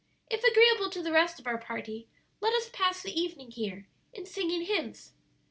If agreeable to the rest of our party, let us pass the evening here in singing hymns."